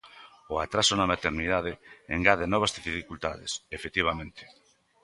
O atraso na maternidade engade novas dificultades, efectivamente.